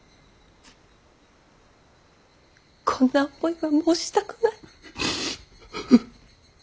こんな思いはもうしたくない。